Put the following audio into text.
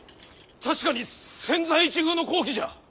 確かに千載一遇の好機じゃ。